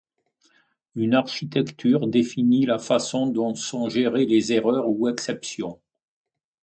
Une architecture définit la façon dont sont gérées les erreurs ou exceptions.